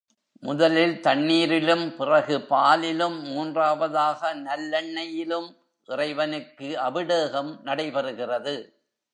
முதலில் தண்ணீரிலும் பிறகு பாலிலும், மூன்றாவதாக நல்லெண்ணெயிலும் இறைவனுக்கு அபிடேகம் நடைபெறுகிறது.